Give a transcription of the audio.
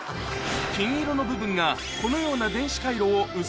金色の部分がこのような電子回路を薄くしたもの